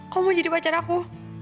kamu mau jadi pacar aku